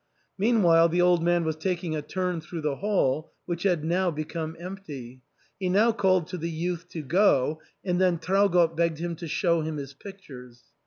Meanwhile the old man was taking a turn through the hall, which had now become empty ; he now called to the youth to go, and then Traugott begged him to show him his pictures.